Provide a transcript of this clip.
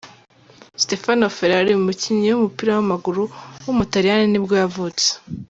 Stefano Ferrario, umukinnyi w’umupira w’amaguru w’umutaliyani nibwo yavutse.